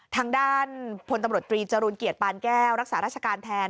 ทางด้านพลตำรวจตรีจรูลเกียรติปานแก้วรักษาราชการแทน